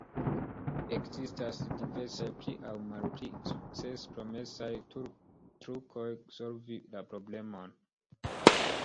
Ekzistas diversaj pli aŭ malpli sukcespromesaj trukoj solvi la problemon.